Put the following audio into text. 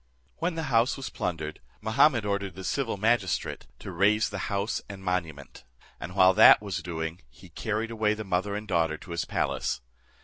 When the house was plundered, Mahummud ordered the civil magistrate to raze the house and monument; and while that was doing, he carried away the mother and daughter to his palace.